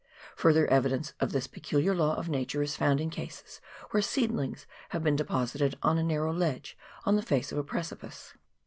Further evidence of this pecu liar law of nature is found in cases where seedlings have been deposited on a narrow ledge on the face of a precipice.